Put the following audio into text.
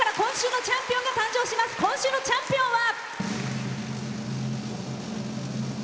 今週のチャンピオンは。